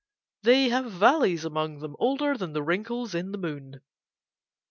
They have valleys among them older than the wrinkles in the moon.